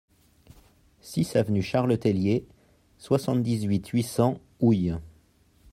six avenue Charles Tellier, soixante-dix-huit, huit cents, Houilles